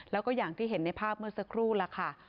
แล้วก็อย่างที่เห็นในภาพเมื่อสักครู่ล่ะค่ะ